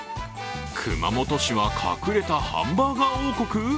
熊本市は隠れたハンバーガー王国！？